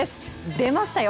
出ましたよ！